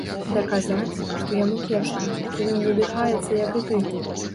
Даказаць, што яму кепска, што ён задыхаецца як і ты.